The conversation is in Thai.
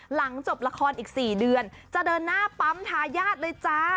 หลังจบละครอีก๔เดือนจะเดินหน้าปั๊มทายาทเลยจ้า